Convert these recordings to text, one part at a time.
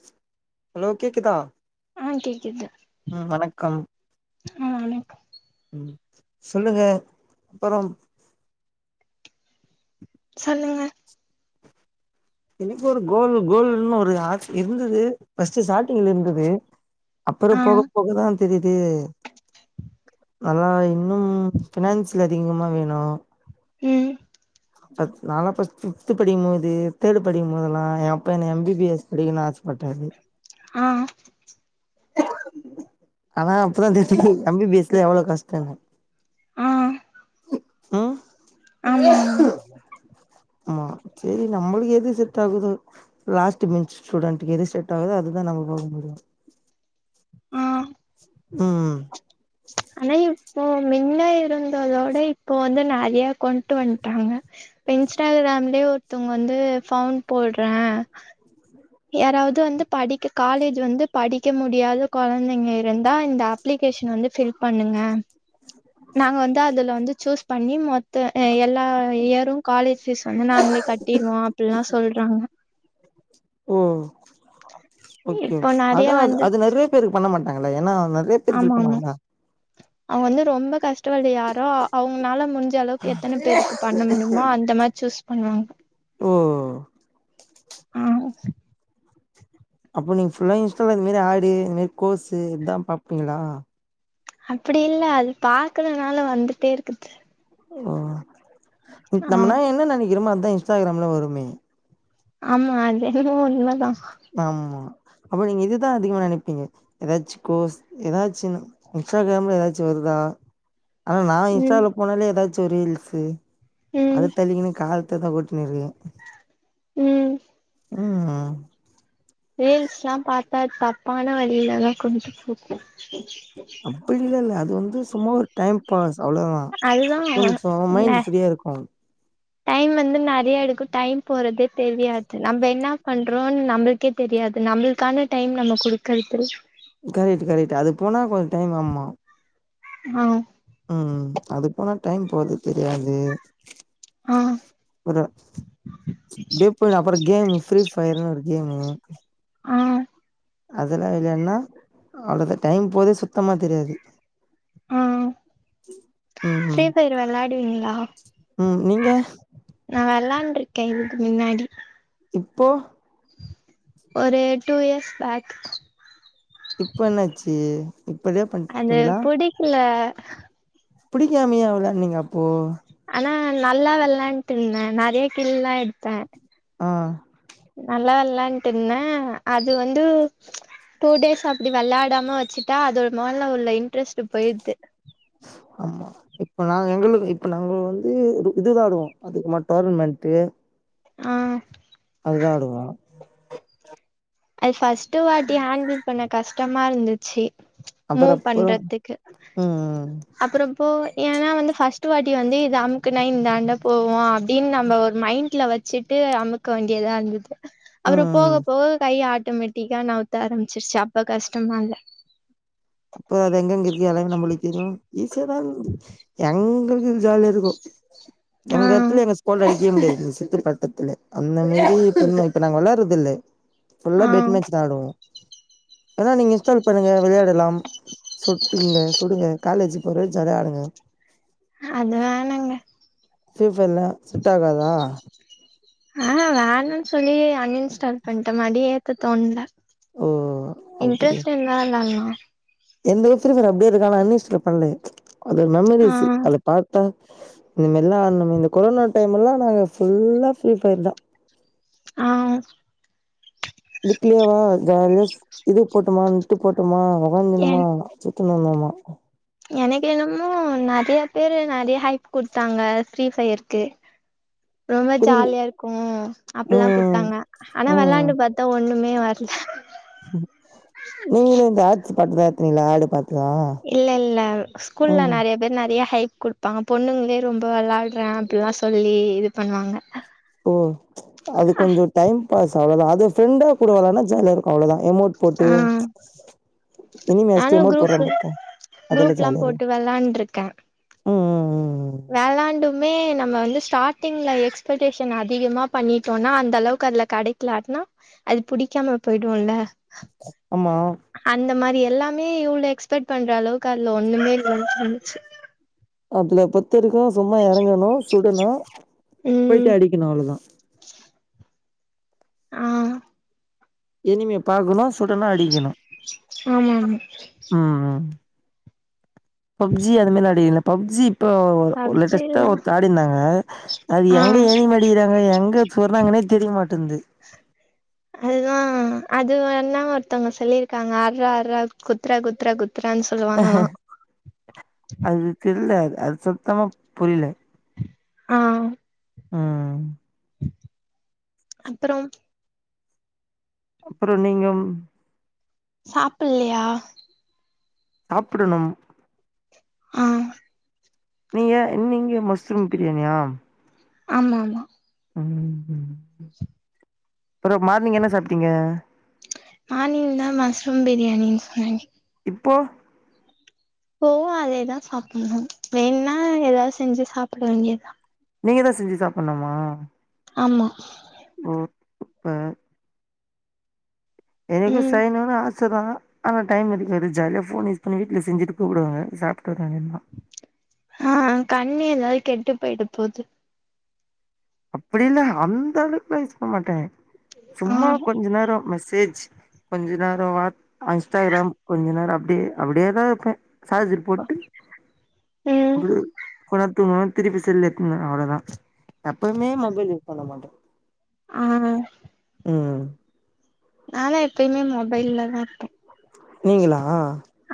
ம்ச் ஹலோ கேக்குதா ஆ கேக்குது உம் வணக்கம் ஆ வணக்கம் ம் சொல்லுங்க அப்புறோ சொல்லுங்க என்னைக்கு ஒரு கோல் கோல்ன்னு ஒரு ஆச இருந்தது ஃபஸ்ட்டு ஸ்ட்டாடிங்ல இருந்தது அப்பறோ ஆ போக போகதா தெரியுது அதெல்லா இன்னும் பினான்சு து அதிகமா வேணு ம் ப நால்லா ஃபஸ்ட்டு ஃவ்து படிக்கும்போது தேர்டு படிக்கும்போதல்லா எங்க அப்பா என்ன எம் பி பி எஸ் படிக்கினு ஆசப்பட்டாரு ஆ ஆனா அப்பதா தெரிஞ்சிச்சு எம் பி பி எஸ் நா எவ்ளோ கஷ்டோனு ஆ உம் ஆமா ஆமா ம் சேரி நம்மளுக்கு எது செட் ஆகுதோ லாஸ்ட்டு பென்ச் ஸ்ட்டூடண்டுக்கு எது செட் ஆவுதோ அது தான் நம்மபோட முடியும் ஆ அ அ ஆனா இப்போ மின்ன இருந்ததோட இப்போ வந்து நெறையா கொண்ட்டு வன்ட்டாங்க இப்ப இன்ஸ்டாகிராம்லயே ஒருத்தவுங்க வந்து ஃபவுன்ப் போடுற யாராவது வந்து படிக்க காலேஜ் வந்து படிக்க முடியாத கொழந்தைங்க இருந்தா இந்த ஆப் அப்ளிகேஷன் வந்து ஃபில் பண்ணுங்க நாங்க வந்து அதுல வந்து சூஸ் பண்ணி மொத்த எல்லா இயரும் காலேஜ் ஃபீஸ் வந்து நாங்களே கட்டிடுவோம் அப்டிலாம் சொல்றாங்க ஓ ஓகே ஓகே இப்போ நெறைய அதான் வந்து அது நறைய பேருக்கு பண்ண மாட்டாங்கள ஏன்னா வ ஆமா ஆமா அவக்ன் வந்து ரொம்ப கஷ்ட டபட்டுவி யாரோ அவங்கனால முடிஞ்ச அளவுக்கு எத்தனை பேருக்கு பண்ண முடியுமோ அந்த மாரி சூஸ் பண்ணுவாங்க ஓ ஆமா அப்ப நீங்க ஃபுல்லா இன்ஸ்டால இதுமேறி ஆடு இதுமேறி கோர்ஸ்சு இத்தான் பாப்பீங்களா அப்டில்ல அது பாக்குலனாலும் வந்துட்டே இருக்குது ஓ ஆ நம்மனா என்னா நெனைக்கிறோமோ அதா இன்ஸ்டாகிராம்ல வருமே ஆமா அது என்னமோ உண்மதா ஆமா அப்போ நீங்க இதுதான் அதிகமா நெனப்பீங்க எதாச்சு கோஸ் எதாச்சு இன்ஸ்ட்டாகிராம்ல எதாச்சு வருதா ஆனா நா இன்ஸ்டா ம் உள்ள போனாலே எதாச்சும் ரீல்சு ம் அத தள்ளிக்கினு காலத்த தா ஓட்டினு இருக்க ம் ம் அ ரீல்ஸ்ல்லா பாத்தா தப்பான வழியிலதா கொண்டு போகும் அப்டிலா இல்ல அது வந்து சும்மா ஒரு டைம் பாஸ் அவ்ளோதான் அதுதா கொஞ்சம் ந மைண்ட் ஃப்ரீயா இருக்கும் டைம் வந்து நறியா இருக்கு டைம் போறதே தெரியாது நம்ப என்னா பண்றோன்னு நமக்கே தெரியாது நம்புளுக்கான டைம் நம்ம குடுக்கறதுல்ல கரெக்ட் கரெக்ட் அது போனா கொஞ்சம் டைம் ஆமா ஆ ம் ம் அது போனா டைம் போறதே தெரியாது ஆ ஒரு டீப்புள் அப்பறம் கேமு ஃப்ரீ ஃபயர்னு ஒரு கேமு ஆ அதல்லா இல்லன்னா அவ்ளோத்தா டைம் போறதே சுத்தமா தெரியாது ஆ ம் ஃப்ரீ ம் ஃபயர் வெளாடுவீங்களா ம் நீங்க நா வெளாண்டுறுக்கே இதுக்கு மின்னாடி இப்போ ஒரு டூ இயர்ஸ் பேக் இப்ப என்னாச்சு இப்படியே அது பண்ட்டீங்களா புடிக்கல புடிக்காமியா விளயான்டீங்க அப்போ ஆனா நல்லா வெலலான்ட்டு இருந்தேன் நறைய கீழ்ல்லாம் எடுத்தேன் ஆ நல்லா விளான்ட்டு இருந்தேன் அது வந்து டூ டேஸ் அப்டி வெளாடாம வச்சுட்டா அதோட முதல்ல உள்ள இன்ட்ரெஸ்ட் போயிடுது ஆமா இப்போ நாங்க எங்களுக்கு இப்போ நாங்க வந்து இதுதா ஆடுவோ அதுக்கு டோர்னமெண்ட்டு ஆ அதுதான் ஆடுவோ நாங்க அது ஃபர்ஸ்ட்டு வாட்டி ஹேண்டில் பண்ண கஷ்டமா இருந்துச்சு மூ அப்புற அப்புற பண்றதுக்கு ம் ம் அப்புறப்போ ஏன்னா வந்து ஃபஸ்ட் வாட்டி வந்து இது அமுக்குனா இந்தாண்டா போவோ அப்டின்னு நம்ம ஒரு மைண்ட்ல வச் ச்சிட்டு அமுக்க வேண்டியதா இருந்தது அப்புற ம் போக ம். போக கைய ஆட்டோமேட்டிக்கா நகத்த ஆரம்பிச்சிருச்சு அப்ப கஷ்டமா இல்ல அப்பற அது எங்கங்க இருக்கு எல்லாமே நம்மளுக்கு தெரியு ஈசியா தா இருந்தது எங்குளுக்கு இது ஜாலியா இருக்கு ஆ எங்க இடத்துல எங்க ஸ்கோல் அடி முடியே முடியாது ரிசெத்து பத்தத்துல அந்தமேறி ரன்னு இப்ப நாங்க விளாட்றது இல்ல ஃபுல்லா ஆ பெட்மேச்தா ஆடுவோ அதா நீங்க இன்ஸ்டால் பண்ணுங்க விளையாடுலாம் சொட்டுங்க சுடுங்க காலேஜ் போற வரை ஜாலியா ஆடுங்க அது வேணாங்க ஃபி ஃபைர்லா செட் ஆகாதா ஆ வேணான் சொல்லி அன்இன்ஸ்டால் பண்ணிட்ட மறுடி ஏத்த தோண்ல ஓ அப்டியா இன்ட்ரஸ்ட் இருந்தா விளாடுலா எந்த ஃபீரி ஃபையர் அப்டியே இருக்கு ஆனா அன் இன்ஸ்டால் பண்ல அது ஒரு ஆ மெமரிஸ்சு அதுல பார்த்தா இந்த மாரிலா ஆன்னோமே இந்த கொரோனா டைம் எல்லா நாங்க ஃபுல்லா ஃப்ரீ ஃபயர் தா ஆ விட்லியு ஜாலியா இது போட்டமா நெட்டு போட்டமா உகந்துனுமா என் சிட்டுனோன்னமா எனக்கு என்னமோ நெறைய பேரு நெறையா ஹைப் குடுத்தாங்க ஃப்ரீ ஃபயருக்கு ரொம்ப புரில ஜாலியா இருக்கு அப்பல்லா ம் குடுத்தாங்க ஆனா ம் விளாண்டு பாத் தா ஒன்னுமே வர்ல நீங்களு இந்த ஆட்ஸ் பாத்துதா இருக்கீங்ளா ஆடு பாத் இல்ல இல்ல ஸ்கூல்ல நறைய பேரு நறைய ஹைப் குடுப்பாங்க பொண்ணுங்களே ரொம்ப விளாடுற அப்டிலா சொல்லி இது பண்ணுவாங்க ஓ அது கொஞ்சோ டைம் பாஸ் அவ்ளோதா அது ஃப்ரெண்டா கூட விளயான்டா ஜாலி இரு அவ்ளோதா எமௌட் போட்டு ஆ இனிமே நானு ஸ்டிமோட் போட்ற குரூப்பு பார்த்தா அதெல்லா குரூப்லா ஜாலியா இருக்கு போட்டு வெளாண்ட்ருக்கே ம் ம் ம் ம் மட்டுமே நம்ம வந்து ஸ்டார்ட்டிங்ல எக்ஸ்பெக்டேஷன் அதிகமா பண்ணிட்டோனா அந்த அளவுக்கு அதுல கெடைக்கலனா அது புடிக்காம போய்டோல ஆமா அந்த மாரி எல்லாமே இவ்ளோ எக்ஸ்பெக்ட் பண்ற அளவுக்கு அதுல ஒண்ணுமே இல்லனு இருந்துச்சு அதுல பத்து இருக்கு சும்மா இறங்கணு சுடணு ம் போயி்ட்டு அடிக்கணு அவ்ளோதா ஆ இனிமே பாக்கணு சுடனு அடிக்கணு ஆமா ஆமா ம் ம் பப்ஜி அது மாறி வெளாடி இல்ல பப்ஜி இப்ப ஒரு லேட்டஸ்டா பப்ஜில்லா ஒருதர் ஆடி இருந்தாங்க அது ஆ எங்க ஏனிம் அடிக்கிறாங்க எங்க சுடுறாகன்னே தெரியமாட்டேங்கிது அதுதா அது வேணா ஒருத்தங்க சொல்லிருக்காங்க அர்ரா அர்ரா குத்துரா குத்துரா குத் அது திருந்தாது அது சுத்தமா புரில ஆ ம் அப்பறம் அப்பறோ நீங்கம் சாப்ல்லையா சாப்டணும் ஆ நீங்க நீங்க மஷ்ரூம் பிரியாணியா ஆமா ஆமா ம் ம் அப்பறோ மார்னிங் என்ன சாப்ட்டீங்க மார்னிங் தா மஸ்ரூம் பிரியாணின்னு சொன்னனே இப்போ இப்பவு அதேதா சாப்டணு வேணுன்னா ஏதாவது செஞ்சி சாப்ட வேண்டியதா நீங்கதா செஞ்சி சாப்டணுமா ஆமா ஓ சூப்பர் எனக்கு ம் செய்யனுன்னு ஆ சதா ஆனா டைம் இருக்காது ஜாலியா ஃபோன் யூஸ் பண்ணி வீட்ல செஞ்சிட்டு கூப்டுவாங்க சாப்ட்டு வர்ற வேண்டியதா ஆ கண்ணு ஏதாவது கெட்டு போயிட போது அப்டில்ல அந்த அளவுக்கெல்லா யூஸ் பண்ண மாட்டே ஆ சும்மா கொஞ்ச நேரோ மெசேஜ் கொஞ்ச நேரோ வா இன்ஸ்டாகிராம் கொஞ்ச நேரோ அப்டியே அப்டியேதா இருப்பே சர்ஜர் போட்டு ம் அப்டி கொஞ்ச நேரோ தூங்குவே திருப்பி செல்ல எத்துன்னுவே அவ்வளதா எப்பயுமே மொபைல் யூஸ் பண்ண மாட்டே ஆ ம் நால்லா எப்பயுமே மொபைல்லதா இருப்பே நீங்களா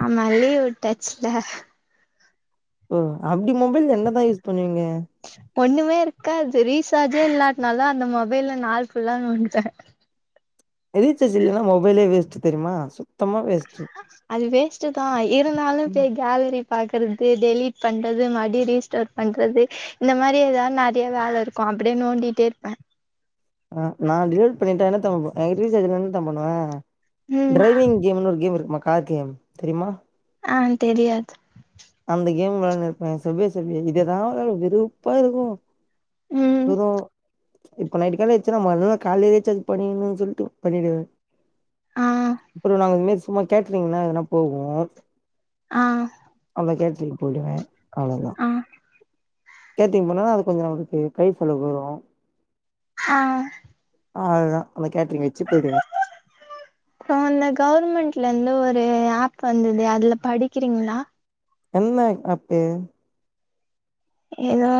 ஆமா லீவு விட்டாச்சில்ல ஓ அப்டி மொபைல்ல என்னதா யூஸ் பண்ணுவீங்க ஒண்ணுமே இருக்காது ரீசார்ஜே இல்லாட்டனாலாதா அந்த மொபைல்ல நாள் ஃபுல்லா நோண்டுவே ரிச்சார்ஜ் இல்லன்னா மொபைலே வேஸ்ட் தெரியுமா சுத்தமா வேஸ்ட்டு அது வேஸ்ட் தா இருந்தாலு கேலரி பாக்கறது டெலீட் பண்றது மறுபடியு ரீஸ்டார்ட் பண்றது இந்த மாரி ஏதாவது நெறையா வேல இருக் கு அப்டியே நோண்டிட்டே இருப்பே ஆ நா டெலிட் பண்ணிட்டா என்ன தெரியுமா பண் எனக்கு ரீச்சார்ஜ் இல்லன்னா என்ன தெரியுமா பண்ணுவே ம் டிரைவிங் கேம்ன்னு ஒரு கேம் இருக்குமா கார் கேம் தெரியுமா ஆஹா தெரியாது அந்த கேம் வெளாடின்னு இருப்பே செபியா செபியா இதேதா வெறுப்பா இருக்கு ம் எது இப்ப நைட்டு காலியச்சின்னா மறுநாள் கால்லயே ரீச்சார்ஜ் பண்ணிறனுன்னு சொல்ட்டு பண்ணிடுவே ஆ அப்பறோ நாங்க இது மாறி சும்மா கேட்டறீங்கன்னா எதுனா போவோ ஆ அவ்ள கேட்டரிங் போய்டுவ அவ்ளதா ஆ கேட்டரிங் போனா அது கொஞ்சோ நமக்கு கை செலவுக்கு வரு ஹா அவ்ளதா அந்த கேட்டரிங் வச்சு போய்டுவ அப்போ அந்த கவர்மெண்ட்லருந்து ஒரு ஆப் வந்தது அதில படிக்கிறீங்ளா என்ன தப்பு எதோ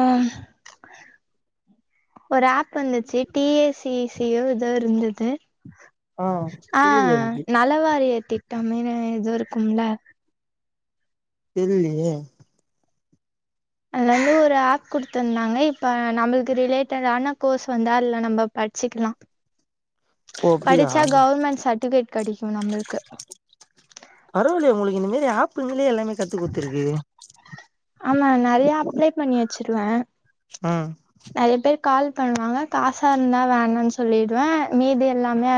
ஒரு ஆப் வந்துச்சு டி எ சிசி யு எதோ இருந்துது ஆ ஆ தெரில எனக்கு நல்லவாரிய திட்டமினு இதுவு இருக்கும்ல தெரிலயே அதுல வந்து ஒரு ஆப் குடுத்துருந்தாங்க இப்ப நம்மளுக்கு ரிலேட்டடான கோர்ஸ் வந்தா அதுல நம்ப படிச்க்கலா ஓ அப்டியா படிச்சா கவர்மெண்ட் சர்டிபிகேட் கெடைக்கு நம்மளுக்கு பரவால்லையே உங்களுக்கு இந்த மாரி ஆப்ங்களே எல்லாமே கத்து குடுத்துருக்கு ஆமா நெறய அப்ளை பண்ணி வச்சிருவ ம் நெறய பேர் கால் பண்ணுவாங்க காசா இருந்தா வேனான் சொல்லிடுவ மீதி எல்லாமே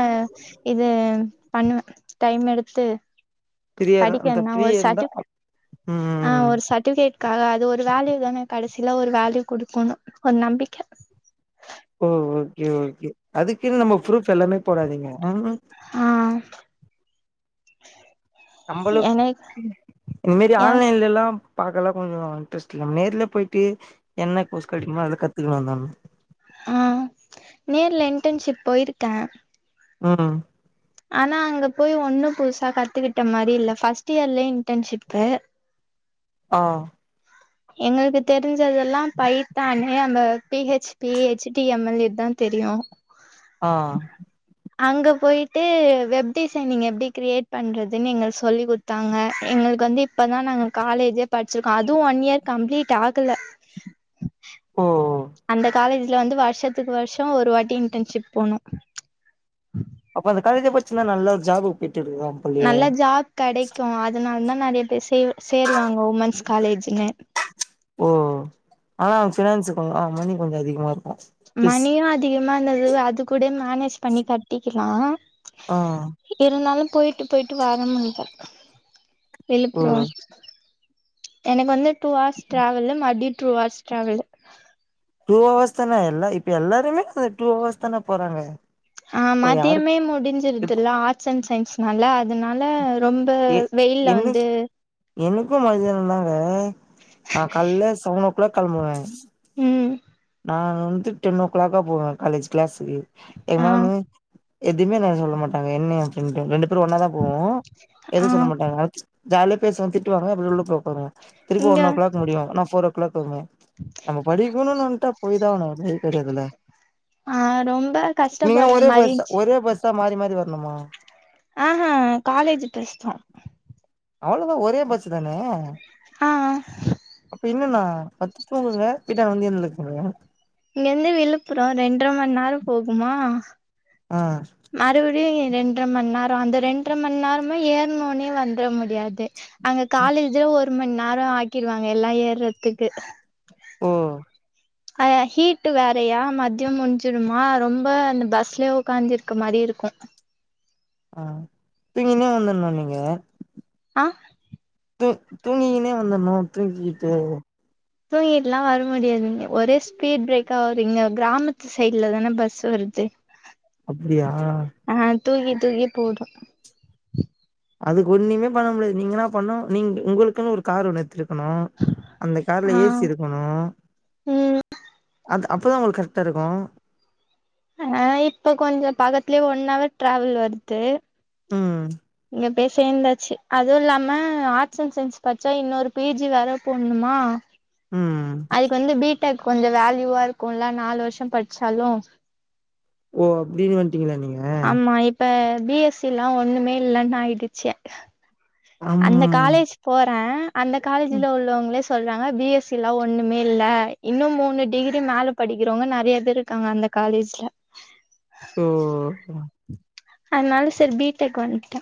இது பண்ணுவ டைம் எடுத்து ஃப்ரீயா படிப்பு அந்த வேணுமா ஒரு ஃப்ரீயா சட்டு இருந்தா ஆ ம் ஒரு சட் டிபிகேட்காக அது ஒரு வேல்யூ தான கடைசில ஒரு வேல்யூ குடுக்குணு ஒரு நம்பிக்க ஓ ஓகே ஓகே அதுக்குன்னு நம்ம ஃப்ரூப் எல்லாமே போடாதீங்க ஆ எனக்கு நம்மளுக்கு இந்தமாரி ஏ ஆன்லைன்லல்லா பாக்கலா கொஞ்சோ இன்ட்ரஸ்ட் இல்ல நேர்ல போய்ட்டு என்ன கோஸ் கெடைக்குமோ அத கத்துக்குனு வந்துட்னு ஆ நேர்ல இன்டர்ன்ஷிப் போய்ருக்க ம் ஆனா அங்க போய் ஒண்ணு புதுசா கத்துக்கிட்ட மாரி இல்ல ஃபர்ஸ்ட் இயர்லயே இன்டர்ன்ஷிப்பு ஆ எங்களுக்கு தெரிஞ்சதெல்லா பைத்தானு அந்த P H P H T M L ஏ தா தெரியு ஆ அங்க போய்ட்டு வெப் டிசைனிங் எப்டி கிரியேட் பண்றதுன் எங்கள்க்கு சொல்லி குடுத் தாங்க எங்களுக்கு வந்து இப்பதா நாங்கள் காலேஜே படிச்சிருக்கோ அதுவு ஒன் இயர் கம்ப்ளீட் ஆகல ஓ அந்த காலேஜ்ல வந்து வருஷத்துக்கு வருஷ ஒரு வாட்டி இன்டர்ன்ஷிப் போணு அப்ப அந்த காலேஜ்ல படிச்சிருந்தா நல்ல ஜாப்க்கு போய்ட்டு இருக்கலாம் நல்ல ஜாப் கெடைக்கு அதனாலதா நெறய பேர் சே சேருவாங்க உமன்ஸ் காலேஜ்ல ஓ ஆனா அங்க பினான்ஸ் மணி கொஞ்சோ அதிகமா இருக்கு ஃபீஸ் மணியு அதிகமா இருந்தது அது கூட மேனேஜ் பண்ணி கட்டிக்கலா ம் இருந்தாலு போய்ட்டு போய்ட்டு வர முடியல ஓ விழுப்புற எனக்கு வந்து டூ ஹர்ஸ் டிராவல்லு மதிய two hours travel two hours தான எல்லா இப்ப எல்லாருமே அந்த டூ ஹவர்ஸ் தான போறாங்க ஆ இப்ப யாருக்கு மதியமே முடிஞ்சிருதுல்ல ஆர்ட்ஸ் அண்ட் சயின்ஸ்னால அதனால ரொம்ப எ வெயில்ல எனக் வந்து எனக்கு மதியம் தாங்க நா கால்ல செவன் ஓ கிளாக் கெளம்புவ ம் நாங்க வந்து டென்னோ கிளாக்கா போவே காலேஜ் கிளாஸ்க்கு எ ஆ மேமு எதுமே என்ன சொல்ல மாட்டாங்க என்ன அப்டின்ட்டு ரெண்டு பேரு ஒன்னாதா போவோ எதூ ஆ சொல்லமாட்டாங்க ஜாலியே பேஸ்வ திட்டுவாங்க அப்டி உள்ள போய் உக்காருவோ திருபு இங்க ஒன்னோ கிளாக் முடியு ஆனா ஃபோரோகிளாக் போதுமே நம்மோ படிக்குணுனுன் ட்டா போய்தா ஆகுணு நீ கெடையாதுல ஆ ரொம்ப நீங்குளா கஷ்டப்படுற ஒரே மாரி பஸ்ஸா இருந்துச்சு ஒரே பஸ் தா மாரி மாரி வர்ணுமா ஆ ஹ காலேஜு பஸ்தா அவ்ளதா ஒரே பஸ்ஸு தானே ஆ இப்ப என்னனா பட்த்து தூங்குங்க கிட்ட வந்து எழுப்புங்க இங்கிர்ந்து விழுப்புரோ ரெண்ட்ர மண் நேரோ போகுமா ஆ மறுபுடியு ரெண்ட்ர மண்நேரோ அந்த ரெண்ட்ர மண்நேரமு ஏற்னோனே வந்துர முடியாது அங்க காலேஜே ஒரு மண்நேரோ ஆக்கிருவாங்க எல்லா ஏர்றதுக்கு ஓ கொஞ்சோ ஹீட்டு் வேறையா மத்யோ முன்ச்சுருமா ரொம்ப அந்த பஸ்லே உக்காந்திருக்க மாரி இருக்கு அ தூங்கின்னே வந்துர்ணு நீங்க ஆ தூ தூங்கிகினே வந்துர்ணு தூங்கிகிட்டு தூங்கிட்டுலா வர முடியாதுங்க ஒரே ஸ்பீட் பிரேக்காக வரு இங்க கிராமத்து சைடுல தான பஸ்ஸூ வருது அப்டியா ஆ தூக்கி தூக்கி போடு அதுக்கு ஒன்னிமே பண்ண முடியாது நீங்கனா பண்ணு நீங் உங்குளுக்குனு ஒரு கார் ஒன்னு எட்த்துடு குணு அந்த கார்ல ஆ ஏசி இருக்கணு ம் அத அப்போதா உங்குளுக் கருட்டா இருக்கு அனால இப்ப கொஞ்சோ பக்கத்லே ஒன்னவர் ட்ராவல் வர்து ம் இங்க பேய் சேந்தாச்சு அதூ இல்லாம ஆர்ட்ஸ் அண்ட் சய்ன்ஸ் பட்ச்சா இன்னொரு பி ஜி வேற போட்ணுமா ம் அதுக்கு வந்து பி டெக் கொஞ்சோ வேல்யூவா இருக்குல நாலு வர்ஷோ பட்ச்சாலு ஓ அப்டினு வன்ட்டீங்குளா நீங்க இப்ப பி எஸ் சி லா ஒன்னுமே இல்லன் ஆய்டுச்சே அம் அந்த காலேஜ் போறே அந்த காலேஜ்ல உள்ளவ்ங்ளேஸ் சொல்றாங்க பி எஸ் சி லா ஒன்னுமே இல்ல இன்னு மூணு டிகிரி மேல படிக்கிறவ்ங்க நெறைய பேர் இருக்காங்க அந்த காலேஜ்ல ஓ ம் அதுனால செரி பி டெக் வன்ட்ட